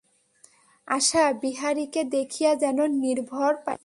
আশা বিহারীকে দেখিয়া যেন নির্ভর পাইল।